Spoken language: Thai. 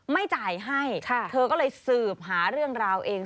ไม่จ่ายให้เธอก็เลยสืบหาเรื่องราวเอง